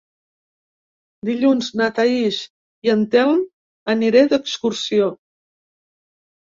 Dilluns na Thaís i en Telm aniré d'excursió.